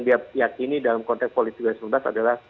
diakini dalam konteks politik yang sempat adalah